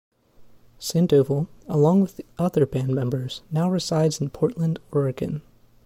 Sandoval, along with other band members, now resides in Portland, Oregon.